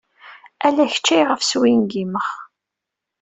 Ala kečč ayɣef swingimeɣ.